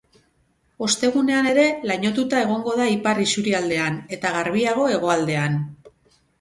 Ostegunean ere lainotuta egongo da ipar isurialdean, eta garbiago hegoaldean.